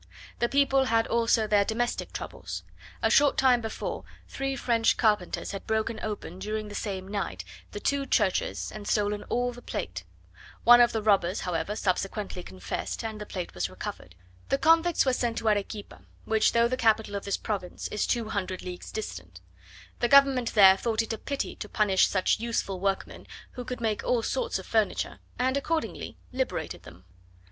The people had also their domestic troubles; a short time before, three French carpenters had broken open, during the same night, the two churches, and stolen all the plate: one of the robbers, however, subsequently confessed, and the plate was recovered. The convicts were sent to Arequipa, which though the capital of this province, is two hundred leagues distant, the government there thought it a pity to punish such useful workmen, who could make all sorts of furniture; and accordingly liberated them.